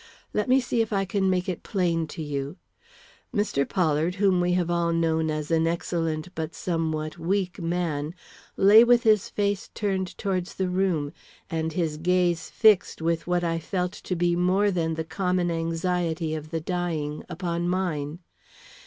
Let me see if I can make it plain to you. Mr. Pollard, whom we have all known as an excellent but somewhat weak man, lay with his face turned towards the room, and his gaze fixed with what I felt to be more than the common anxiety of the dying upon mine.